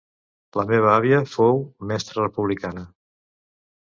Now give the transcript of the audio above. La meva àvia fou mestra republicana